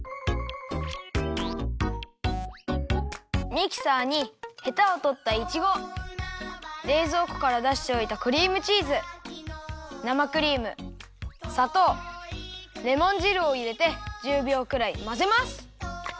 ミキサーにへたをとったいちごれいぞうこからだしておいたクリームチーズ生クリームさとうレモン汁をいれて１０びょうくらいまぜます。